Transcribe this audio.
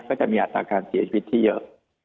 ก็จะมีอัตราการเสียชีวิตที่เยอะ